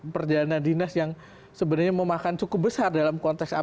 perjalanan dinas yang sebenarnya memakan cukup besar dalam konteks apa